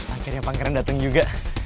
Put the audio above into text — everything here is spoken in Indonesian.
akhirnya pangeran datang juga